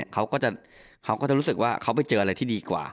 เขาก็จะรู้สึกว่าเขาไปเจออะไรที่ดีกว่า